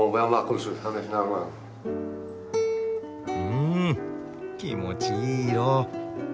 ん気持ちいい色。